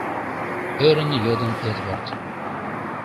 — ӧрын йодын Эдвард.